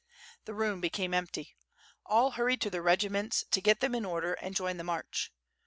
The room became empty. All hurried to their reginients to get them in order and join the march.